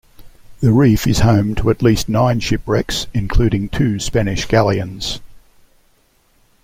The reef is home to at least nine shipwrecks, including two Spanish Galleons.